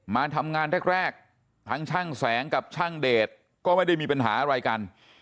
มาทำงานแรกทั้งช่างแสงกับช่างเดชก็ไม่ได้มีปัญหาอะไรกัน